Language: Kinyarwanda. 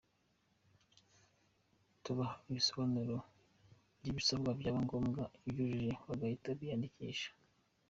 Tubaha ibisobanuro by’ibisabwa, byaba ngombwa ubyujuje agahita yiyandikisha.